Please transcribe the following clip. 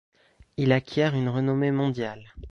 Il acquiert une renommée mondiale.